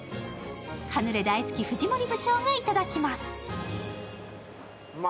カヌレ大好き藤森部長がいただきます。